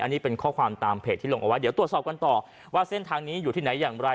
อันนี้เป็นข้อความตามเพจที่ลงเอาไว้เดี๋ยวตรวจสอบกันต่อว่าเส้นทางนี้อยู่ที่ไหนอย่างไร